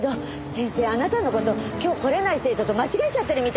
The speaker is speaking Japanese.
先生あなたの事今日来れない生徒と間違えちゃってるみたいなんです。